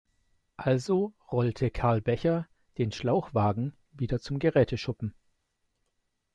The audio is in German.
Also rollte Karl Becher den Schlauchwagen wieder zum Geräteschuppen.